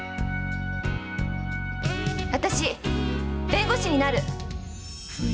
私弁護士になる！